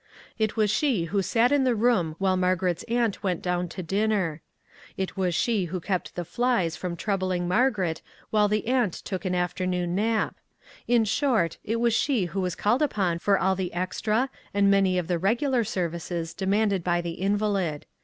It was she who sat in the room while Margaret's aunt went down to dinner. It was she who kept the flies from troubling Mar garet while the aunt took an afternoon nap. In short, it was she who was called upon for all the extra and many of the regular services de manded by the invalid.